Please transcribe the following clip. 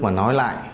mà nói lại